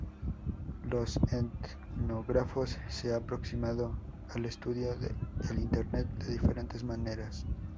Los etnógrafos se ha aproximado al estudio el Internet de diferentes maneras.